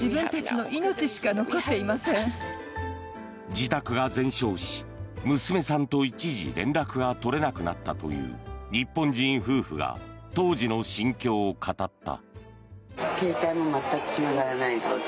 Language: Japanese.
自宅が全焼し娘さんと一時連絡が取れなくなったという日本人夫婦が当時の心境を語った。